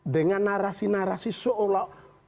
dengan narasi narasi seolah